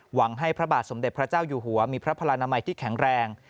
หวังให้พระบาทสมเด็จพระเจ้าอยู่หัวมีพระพลานามัยที่แข็งแรง